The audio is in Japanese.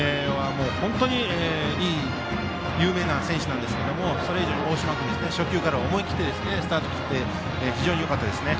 本当に有名な選手なんですけどそれ以上に大島君初球から思い切ってスタートを切って非常によかったですね。